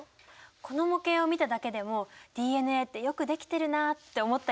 この模型を見ただけでもＤＮＡってよくできてるなあって思ったりしないかな？